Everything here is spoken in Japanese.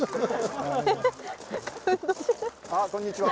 あっこんにちは。